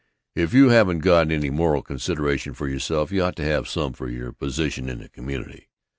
If you haven't got any moral consideration for yourself, you ought to have some for your position in the community.